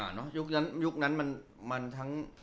อ่าเนอะยุคนั้นมันทั้ง